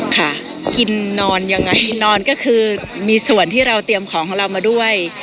ค่ะกินนอนยังไงนอนก็คือมีส่วนที่เราเตรียมของของเรามาด้วย